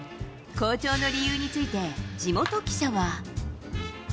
好調の理由について、地元記者は。